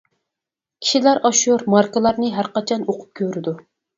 كىشىلەر ئاشۇ ماركىلارنى ھەر قاچان ئۇقۇپ كۆرىدۇ.